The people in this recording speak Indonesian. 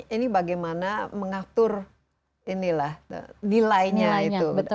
ini bagaimana mengatur nilainya itu